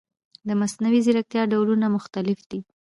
د مصنوعي ځیرکتیا ډولونه مختلف دي.